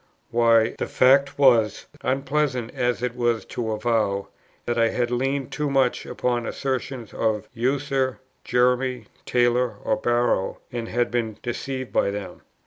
why, the fact was, unpleasant as it was to avow, that I had leaned too much upon the assertions of Ussher, Jeremy Taylor, or Barrow, and had been deceived by them.